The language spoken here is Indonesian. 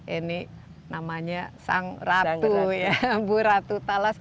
ini namanya sang ratu ya bu ratu talas